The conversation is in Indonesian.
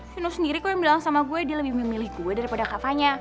vino sendiri kok yang bilang sama gue dia lebih memilih gue daripada kak vanya